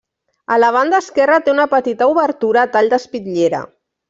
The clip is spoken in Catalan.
A la banda esquerra té una petita obertura a tall d'espitllera.